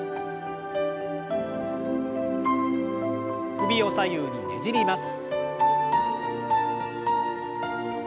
首を左右にねじります。